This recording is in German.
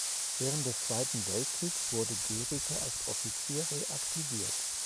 Während des Zweiten Weltkrieges wurde Gericke als Offizier reaktiviert.